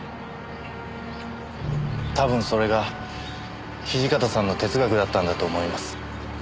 多分それが土方さんの哲学だったんだと思います。